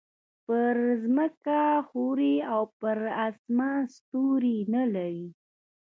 پر ځمکه ښوری او پر اسمان ستوری نه لري.